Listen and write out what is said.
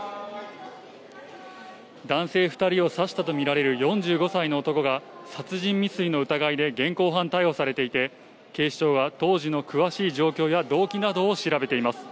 男性２人を刺したと見られる４５歳の男が、殺人未遂の疑いで現行犯逮捕されていて、警視庁は当時の詳しい状況や動機などを調べています。